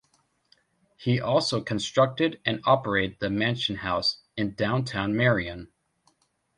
He also constructed and operated the Mansion House, in downtown Marion.